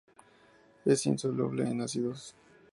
Es insoluble en ácidos.